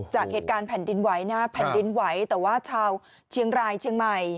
จากเหตุการณ์แผ่นดินไหวนะฮะแผ่นดินไหวแต่ว่าชาวเชียงรายเชียงใหม่